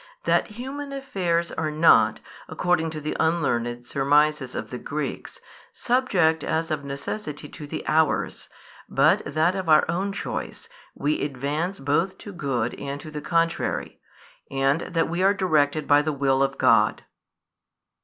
That human affairs are not, according to the unlearned surmises of the Greeks, subject as of necessity to the Hours, but that of our own choice we advance both to good and to the contrary: and that we are directed by the Will of God.